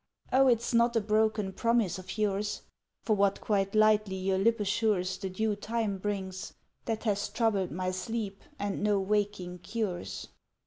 "O it's not a broken promise of yours (For what quite lightly your lip assures The due time brings) That has troubled my sleep, and no waking cures!"